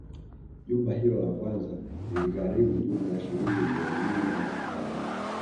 Jumba hilo la kwanza liligharimu jumla ya Shilingi milioni nne na laki Saba